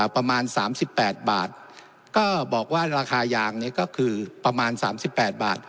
ประมาณ๓๘บาทก็บอกว่าราคายางนี้ก็คือประมาณ๓๘บาท